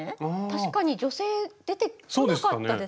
確かに女性出てこなかったですね。